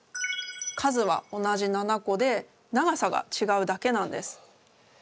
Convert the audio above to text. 数は同じ７個で長さがちがうだけなんです。